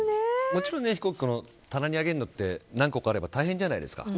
もちろん、飛行機で棚に上げるのは何個かあれば大変じゃないですか。